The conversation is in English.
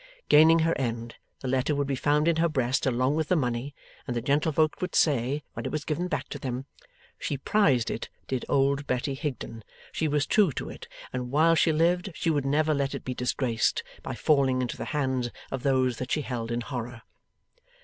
Gaining her end, the letter would be found in her breast, along with the money, and the gentlefolks would say when it was given back to them, 'She prized it, did old Betty Higden; she was true to it; and while she lived, she would never let it be disgraced by falling into the hands of those that she held in horror.